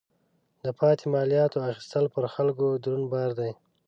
د پاتې مالیاتو اخیستل پر خلکو دروند بار دی.